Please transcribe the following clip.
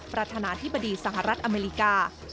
ประธานาธิบดีสหรัฐอเมริกา